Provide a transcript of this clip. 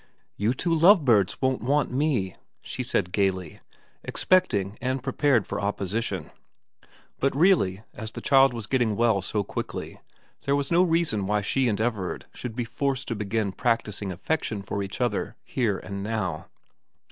' You two love birds won't want me,' she said gaily, expecting and prepared for opposition ; but really, as the child was getting well so quickly, there was no reason why she and Everard should be forced to begin practising affection for each other here and now.